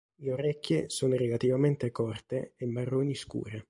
Le orecchie sono relativamente corte e marroni scure.